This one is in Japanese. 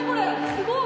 すごい！